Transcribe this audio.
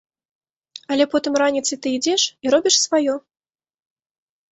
Але потым раніцай ты ідзеш і робіш сваё.